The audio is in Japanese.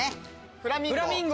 フラミンゴ。